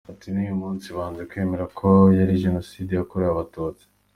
Ati: “Na n’uyu munsi, banze kwemera ko yari jenoside yakorerwaga Abatutsi.